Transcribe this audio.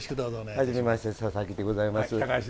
初めまして佐々木でございます。